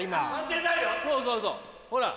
そうそうそうほら。